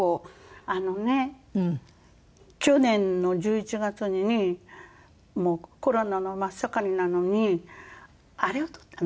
あのね去年の１１月にもうコロナの真っ盛りなのにあれを撮ったの。